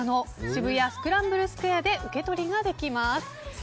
渋谷スクランブルスクエアで受け取りができます。